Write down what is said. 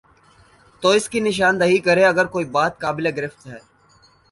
تو اس کی نشان دہی کرے اگر کوئی بات قابل گرفت ہے۔